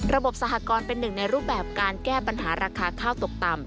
สหกรณ์เป็นหนึ่งในรูปแบบการแก้ปัญหาราคาข้าวตกต่ำ